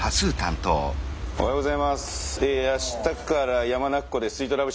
おはようございます。